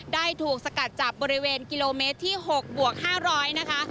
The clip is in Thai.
ได้ถูกสกัดจับบริเวณกิโลเมตรที่๖บวก๕๐๐นะคะ